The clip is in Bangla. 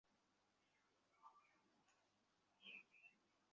অবৈধভাবে পাকা দেয়াল তুলে কর্ণফুলী নদী দখল করছেন আনু মিঞা মাঝিরঘাটের মালিকেরা।